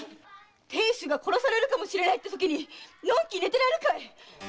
亭主が殺されるかもしれないのに呑気に寝てられるかい！